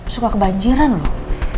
suka kebanjiran loh